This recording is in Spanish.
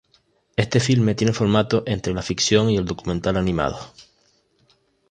Este filme tiene formato entre la ficción y el documental animados.